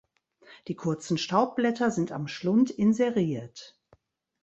Die kurzen Staubblätter sind am Schlund inseriert.